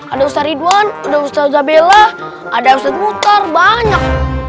ada ustadz ridwan ada ustadz abelah ada ustadz putar banyak